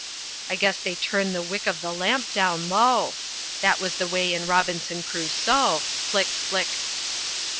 I guess they turn the wick of the lamp down low: that was the way in Robinson Crusoe Flick, flick!